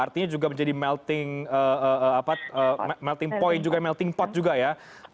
artinya juga menjadi melting melting point juga melting pot juga ya